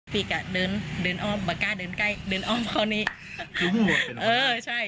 อีกอ่ะเดินเดินอ้อมปาก้าเดินใกล้เดินอ้อมเข้านี้เออใช่